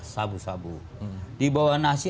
sabu sabu di bawah nasi